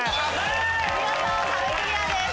見事壁クリアです。